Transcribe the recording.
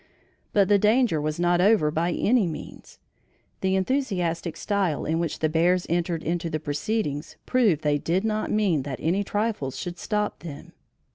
But the danger was not over by any means. The enthusiastic style in which the bears entered into the proceedings proved they did not mean that any trifles should stop them.